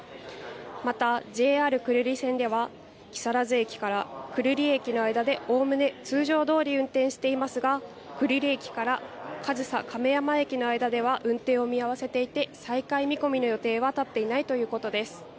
また、ＪＲ久留里線では、木更津駅から久留里駅の間でおおむね通常どおり運転していますが、久留里駅から上総亀山駅の間では運転を見合わせていて、再開見込みの予定は立っていないということです。